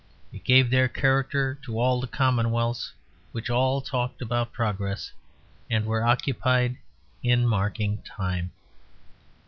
It gave their character to all the commonwealths, which all talked about progress, and were occupied in marking time.